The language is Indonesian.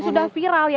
sudah viral ya